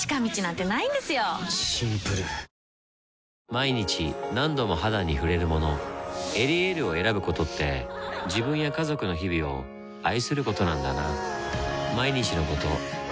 毎日何度も肌に触れるもの「エリエール」を選ぶことって自分や家族の日々を愛することなんだなぁ